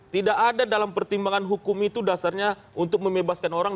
tidak ada dalam pertimbangan hukum itu dasarnya untuk membebaskan orang